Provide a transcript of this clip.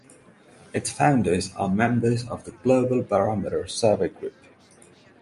Its founders are members of the Global Barometer Survey group.